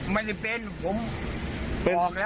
ไม่ได้เป็น